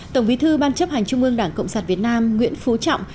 tổng bí thư ban chấp hành trung ương đảng cộng sản việt nam nguyễn phú trọng